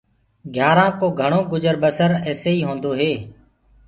گھيآرآنٚ ڪو گھڻو گُجر بسر ايسي ئي هوندو هي۔